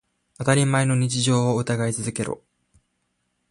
当たり前の日常を疑い続けろ。